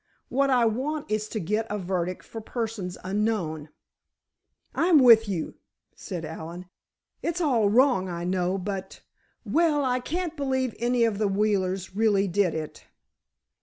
What I want is to get a verdict for persons unknown." "I'm with you," said Allen. "It's all wrong, I know, but—well, I can't believe any of the Wheelers really did it."